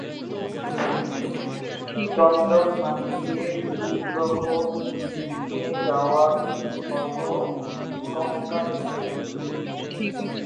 চন্দন মাখিয়ে বিগ্রহ নিয়ে যাওয়া হত গঙ্গার ঘাটে।